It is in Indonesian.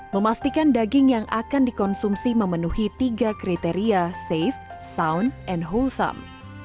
memastikan daging yang akan dikonsumsi memenuhi tiga kriteria safe sound and wholesome